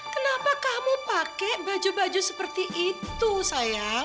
kenapa kamu pakai baju baju seperti itu sayang